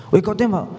wih kau tembak